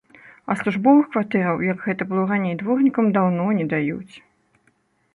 А службовых кватэраў, як гэта было раней, дворнікам даўно не даюць.